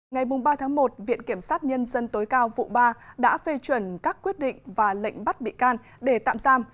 ngày ba một viện kiểm sát nhân dân tối cao vụ ba đã phê chuẩn các quyết định và lệnh bắt bị can để tạm giam